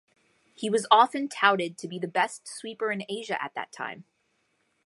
He was often touted to be the best sweeper in Asia at that time.